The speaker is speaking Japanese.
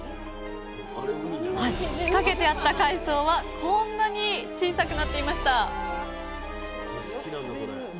仕掛けてあった海藻はこんなに小さくなっていました